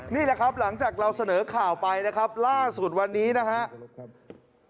นี่แหละครับหลังจากเราเสนอข่าวไปนะครับล่าสุดวันนี้นะครับ